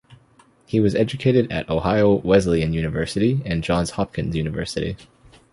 He was educated at Ohio Wesleyan University and Johns Hopkins University.